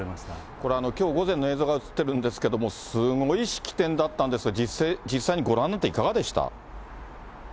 これ、きょう午前の映像が映ってるんですけども、すごい式典だったんで、実際にご覧になっていかがでした？